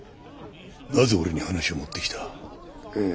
なぜ俺に話を持ってきた？